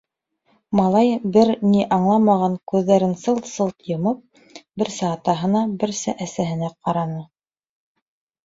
Малай, бер ни аңламаған күҙҙәрен сылт-сылт йомоп, берсә атаһына, берсә әсәһенә ҡараны.